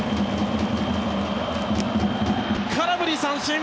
空振り三振！